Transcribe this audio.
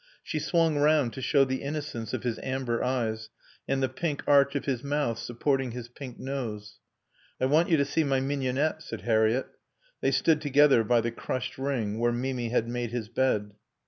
She swung round to show the innocence of his amber eyes and the pink arch of his mouth supporting his pink nose. "I want you to see my mignonette," said Harriett. They stood together by the crushed ring where Mimi had made his bed.